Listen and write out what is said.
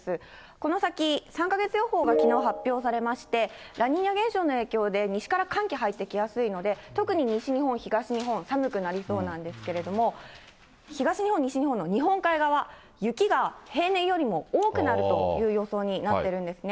この先、３か月予報がきのう発表されまして、ラニーニャ現象の影響で西から寒気入ってきやすいので、特に西日本、東日本寒くなりそうなんですけれども、東日本、西日本の日本海側、雪が平年よりも多くなるという予想になってるんですね。